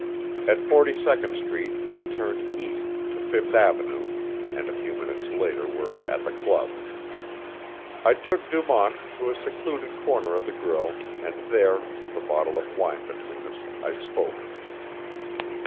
At Forty Second Street we turned east to Fifth Avenue, and a few minutes later were at the club. I took Du Mont to a secluded corner of the grill, and there, with a bottle of wine between us, I spoke.